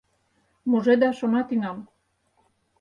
— Мужедаш она тӱҥал!